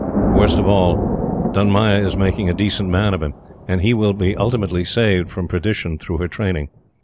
Worst of all, Dunmaya is making a decent man of him; and he will be ultimately saved from perdition through her training.